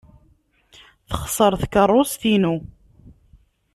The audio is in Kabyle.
Texṣer tkeṛṛust-inu.